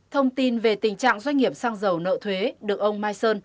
thông tin về tình trạng doanh nghiệp xăng dầu nợ thuế được ông mai sơn